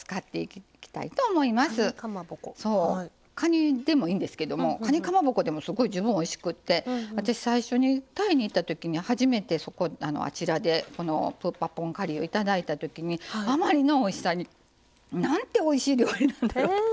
そうかにでもいいんですけどもかにかまぼこでもすごい十分おいしくて私最初にタイに行ったときに初めてあちらでこのプー・パット・ポン・カリーをいただいたときにあまりのおいしさになんておいしい料理なんだと。